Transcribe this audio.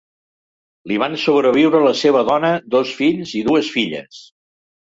Li van sobreviure la seva dona, dos fills i dues filles.